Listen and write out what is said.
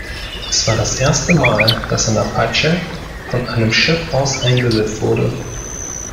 Es war das erste Mal, dass ein Apache von einem Schiff aus eingesetzt wurde.